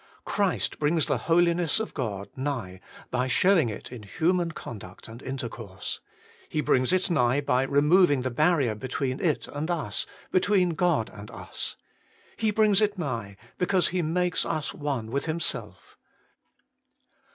Christ brings the Holiness of God nigh by showing it in human conduct and intercourse. He brings it nigh by removing the barrier between it and us, between God and us. He brings it nigh, because He makes us one with Himself.